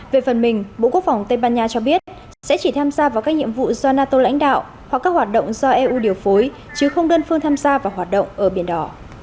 về phần mình bộ quốc phòng tây ban nha cho biết sẽ chỉ tham gia vào các nhiệm vụ do nato lãnh đạo hoặc các hoạt động do eu điều phối chứ không đơn phương tham gia vào hoạt động ở biển đỏ